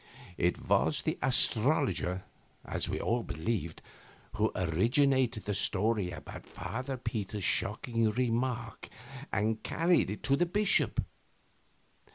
It was the astrologer, as we all believed, who originated the story about Father Peter's shocking remark and carried it to the bishop.